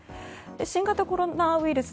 新型コロナウイルス